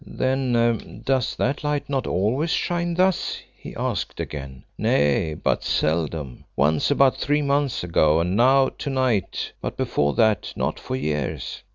"Then does that light not always shine thus?" he asked again. "Nay, but seldom. Once about three months ago, and now to night, but before that not for years.